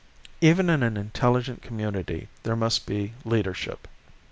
Even in an intelligent community there must be leadership.